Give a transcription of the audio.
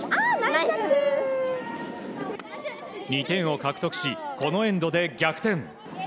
２点を獲得しこのエンドで逆転。